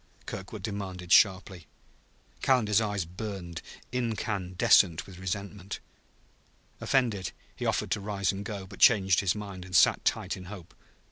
Kirkwood demanded sharply. Calendar's eyes burned, incandescent with resentment. Offended, he offered to rise and go, but changed his mind and sat tight in hope.